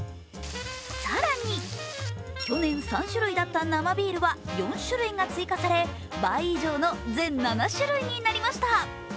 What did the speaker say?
更に去年３種類だった生ビールは４種類が追加され、倍以上の全７種類になりました。